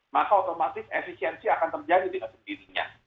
maka otomatis efisiensi akan terjadi dengan sendirinya